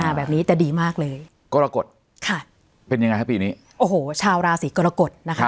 แบบนี้จะดีมากเลยกรกฎค่ะเป็นยังไงฮะปีนี้โอ้โหชาวราศีกรกฎนะคะ